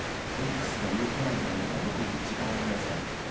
Ｘが動かないんであれば、僕に時間をくださいと。